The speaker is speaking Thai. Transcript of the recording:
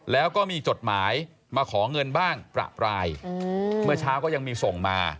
แล้วก็มีจดหมายมาขอเงินบ้างประปรายเมื่อเช้าก็ยังมีส่งมา